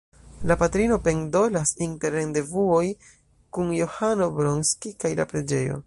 La patrino pendolas inter rendevuoj kun Johano Bronski kaj la preĝejo.